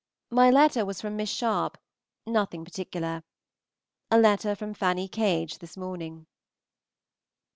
My letter was from Miss Sharpe, nothing particular. A letter from Fanny Cage this morning.